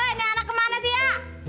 ini anak kemana sih ya